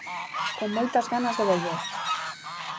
Con moitas ganas de volver.